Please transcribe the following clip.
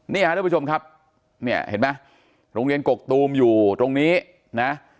ท่านผู้ชมครับเนี่ยเห็นไหมโรงเรียนกกตูมอยู่ตรงนี้นะ